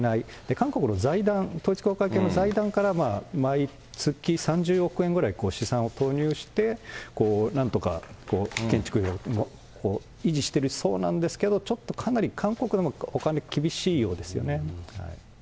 韓国の財団、統一教会系の財団から、毎月３０億円ぐらい資産を投入して、なんとか建築費を維持しているそうなんですけど、ちょっとかなり韓国でもお金厳しいようですよね。